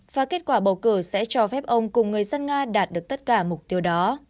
và kết quả bầu cử sẽ cho phép ông cùng người dân nga đạt được tất cả mục tiêu đó